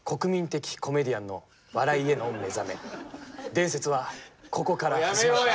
伝説はここから始まって。